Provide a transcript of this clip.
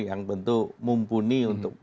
yang tentu mumpuni untuk